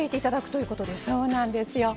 そうなんですよ。